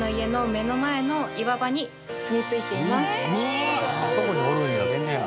あそこにおるんや。